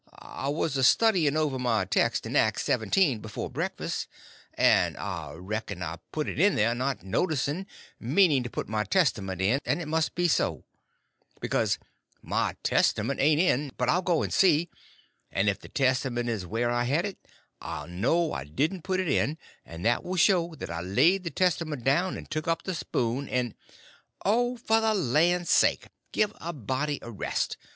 I was a studying over my text in Acts Seventeen before breakfast, and I reckon I put it in there, not noticing, meaning to put my Testament in, and it must be so, because my Testament ain't in; but I'll go and see; and if the Testament is where I had it, I'll know I didn't put it in, and that will show that I laid the Testament down and took up the spoon, and—" "Oh, for the land's sake! Give a body a rest!